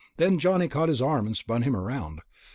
Then Johnny caught his arm and spun him around.